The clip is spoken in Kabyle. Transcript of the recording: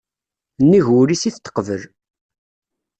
Nnig wul-is i t-teqbel.